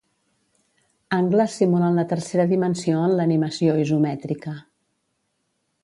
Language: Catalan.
Angles simulen la tercera dimensió en l'animació isomètrica.